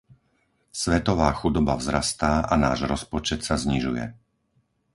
Svetová chudoba vzrastá a náš rozpočet sa znižuje.